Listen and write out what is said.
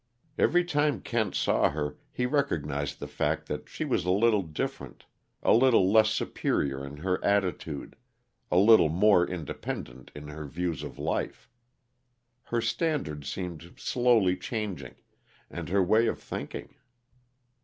Every time Kent saw her, he recognized the fact that she was a little different; a little less superior in her attitude, a little more independent in her views of life. Her standards seemed slowly changing, and her way of thinking.